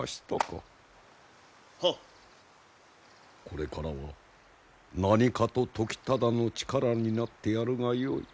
これからは何かと時忠の力になってやるがよい。